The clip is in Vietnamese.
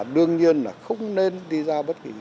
đương nhiên là không tiếp xúc với người trong gia đình